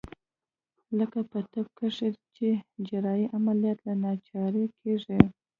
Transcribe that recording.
لکه په طب کښې چې جراحي عمليات له ناچارۍ کېږي.